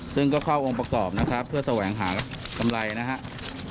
ซึ่งก็เข้าองค์ประกอบนะครับเพื่อแสวงหากำไรนะครับ